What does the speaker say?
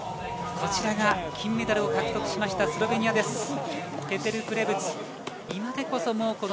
こちらが金メダルを獲得したスロベニアです。